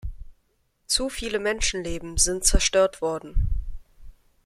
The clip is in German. Zu viele Menschenleben sind zerstört worden.